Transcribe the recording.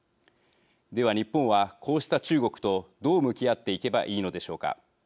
では、日本はこうした中国とどう向き合っていけばいいのでしょうか。